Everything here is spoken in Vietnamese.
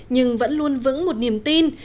nhưng vẫn luôn vững một niềm tin